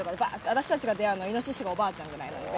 私たちが出会うのいのししかおばあちゃんぐらいなんで。